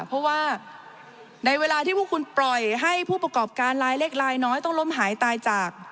เพราะว่าในเวลาที่พวกคุณปล่อยให้ผู้ประกอบการลายเล็กลายน้อยต้องล้มหายตายจาก